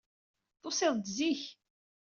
Tusiḍ-d zik.